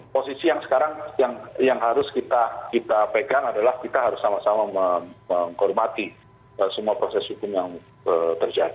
posisi yang sekarang yang harus kita pegang adalah kita harus sama sama menghormati semua proses hukum yang terjadi